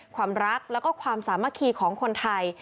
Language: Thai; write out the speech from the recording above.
ความรักและความสามารถขี่ของคนไทย